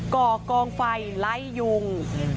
่อกองไฟไล่ยุง